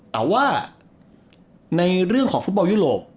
แต่ว่าในเรื่องของฟุตบอลยุโรป